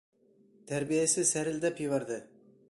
Тәрбиәсе сәрелдәп ебәрҙе: